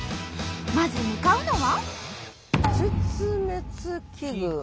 まず向かうのは。